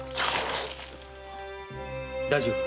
大丈夫。